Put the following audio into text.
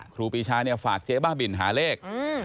ครูปีชาเนี่ยฝากเจ๊บ้าบินหาเลข